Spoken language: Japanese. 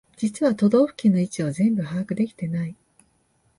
実は都道府県の位置を全部把握できてない